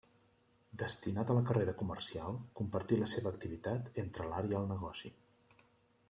Destinat a la carrera comercial, compartí la seva activitat entre l'art i el negoci.